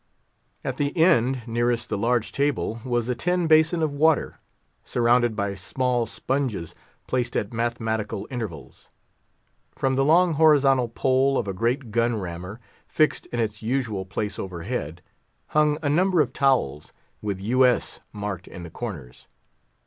At the end nearest the larger table was a tin basin of water, surrounded by small sponges, placed at mathematical intervals. From the long horizontal pole of a great gun rammer—fixed in its usual place overhead—hung a number of towels, with "U.S." marked in the corners.